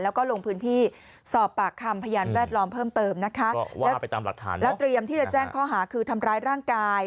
แล้วก็ลงพื้นที่สอบปากคำ